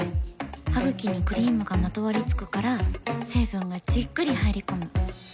ハグキにクリームがまとわりつくから成分がじっくり入り込む。